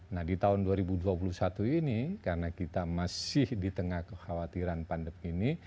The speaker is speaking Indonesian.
nah di tahun dua ribu dua puluh satu ini karena kita masih di tengah kekhawatiran pandemi ini